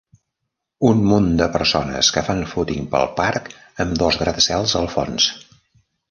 Un munt de persones que fan fúting pel parc amb dos gratacels al fons